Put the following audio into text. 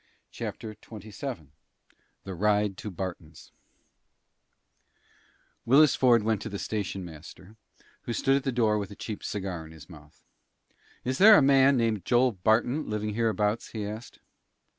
CHAPTER XXVII THE RIDE TO BARTON'S Willis Ford went to the station master, who stood at the door with a cheap cigar in his mouth. "Is there a man named Joel Barton living hereabouts?" he asked.